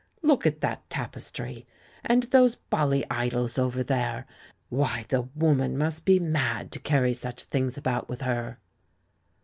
Look at that tapestry, and those bally idols over there, and — why, the woman must be mad to carry such things about with her!"